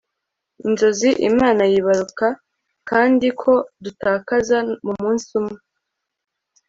inzozi imana yibaruka, kandi ko dutakaza mumunsi umwe